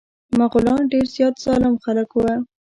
مغولان ډير زيات ظالم خلک وه.